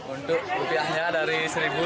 untuk rupiahnya dari satu sampai